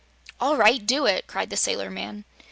"All right; do it!" cried the sailor man.